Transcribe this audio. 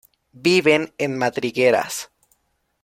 Viven en madrigueras.